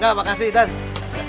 gavrah duduk onda sarfseekh